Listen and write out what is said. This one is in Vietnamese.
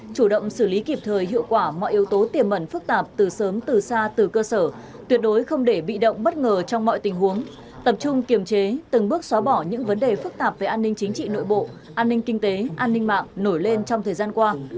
và mọi yếu tố tiềm mẩn phức tạp từ sớm từ xa từ cơ sở tuyệt đối không để bị động bất ngờ trong mọi tình huống tập trung kiềm chế từng bước xóa bỏ những vấn đề phức tạp về an ninh chính trị nội bộ an ninh kinh tế an ninh mạng nổi lên trong thời gian qua